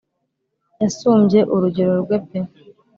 yasumbye urugero rwe pe